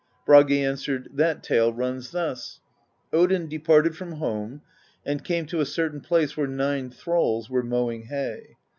Bragi answered: "That tale runs thus: Odin departed from home and came to a certain place where nine thralls were mowing hay.